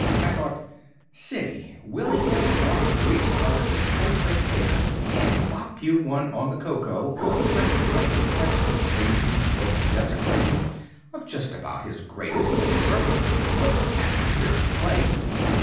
I thought, _Siddy, Willy S. ought to reach out of his portrait there and bop you one on the koko for contemplating such a crazy quilt desecration of just about his greatest and certainly his most atmospheric play.